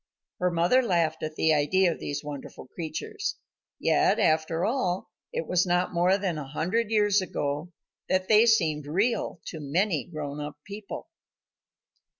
Her mother laughed at the idea of these wonderful creatures. Yet, after all, it was not more than a hundred years ago that they seemed real to many grown up people.